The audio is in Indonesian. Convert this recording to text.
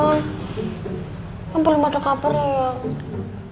kan belum ada kabar ya